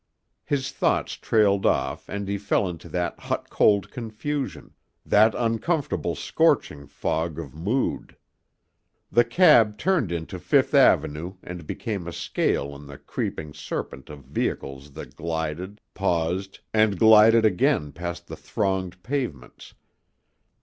His thoughts trailed off and he fell into that hot cold confusion, that uncomfortable scorching fog of mood. The cab turned into Fifth Avenue and became a scale in the creeping serpent of vehicles that glided, paused, and glided again past the thronged pavements.